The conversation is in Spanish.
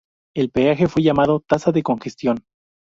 El peaje fue llamado "tasa de congestión".